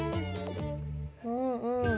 うんうん。